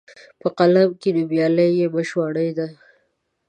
په قلم کښي نومیالي یې مشواڼي دي